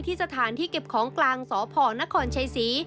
สถานที่เก็บของกลางสพนครชัยศรี